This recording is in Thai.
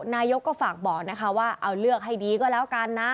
นายกก็ฝากบอกนะคะว่าเอาเลือกให้ดีก็แล้วกันนะ